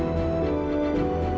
aku akan mengingatmu